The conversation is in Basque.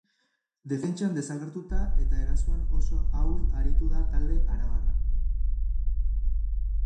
Defentsan desagertuta eta erasoan oso ahul aritu da talde arabarra.